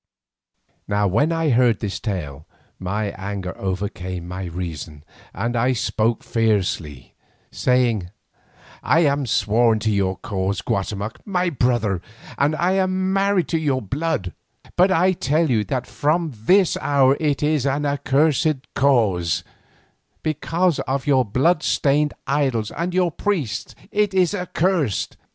Now when I heard this tale my anger overcame my reason, and I spoke fiercely, saying: "I am sworn to your cause, Guatemoc, my brother, and I am married to your blood, but I tell you that from this hour it is an accursed cause; because of your bloodstained idols and your priests, it is accursed.